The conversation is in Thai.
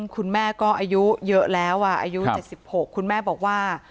คุณแม่ก็อายุเยอะแล้วอายุ๗๖คุณแม่บอกว่า